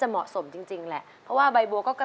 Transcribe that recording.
แล้วน้องใบบัวร้องได้หรือว่าร้องผิดครับ